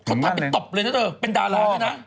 ทุกคนตามไปตบเลยนะเจอ๑๙๙๙